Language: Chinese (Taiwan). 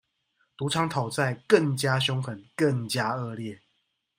賭場討債更加兇狠、更加惡劣